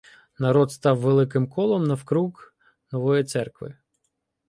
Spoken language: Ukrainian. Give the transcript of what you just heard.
Народ став великим колом навкруг нової церкви.